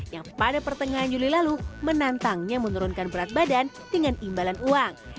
yang pada pertengahan juli lalu menantangnya menurunkan berat badan dengan imbalan uang